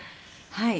はい。